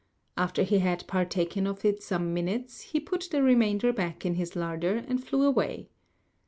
After he had partaken of it some minutes he put the remainder back in his larder and flew away.